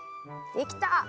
できた！